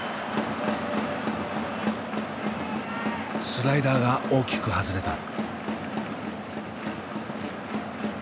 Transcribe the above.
スライダーが大きく外れた。